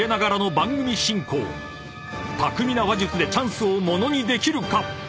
［巧みな話術でチャンスをものにできるか⁉］